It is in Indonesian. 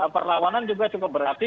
perlawanan juga cukup berarti